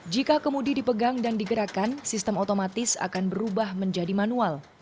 jika kemudian dipegang dan digerakkan sistem otomatis akan berubah menjadi manual